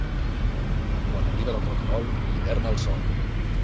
Quan arriba el roquerol, l'hivern al sòl.